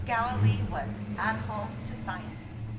Gallilee was At Home to Science.